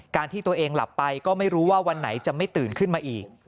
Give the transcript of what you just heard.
ที่ตัวเองหลับไปก็ไม่รู้ว่าวันไหนจะไม่ตื่นขึ้นมาอีก